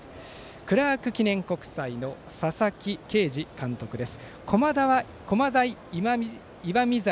クラーク記念国際の佐々木啓司監督です。